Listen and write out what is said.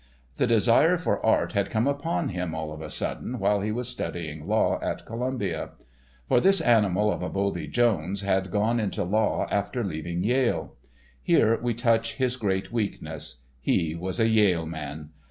The desire for art had come upon him all of a sudden while he was studying law at Columbia. For "This Animal of a Buldy Jones" had gone into law after leaving Yale. Here we touch his great weakness. He was a Yale man!